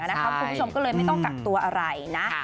คุณผู้ชมก็เลยไม่ต้องกักตัวอะไรนะ